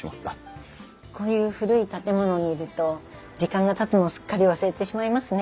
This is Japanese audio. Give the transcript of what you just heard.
こういう古い建物にいると時間がたつのをすっかり忘れてしまいますね。